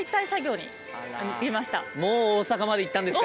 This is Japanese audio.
もう大阪まで行ったんですか。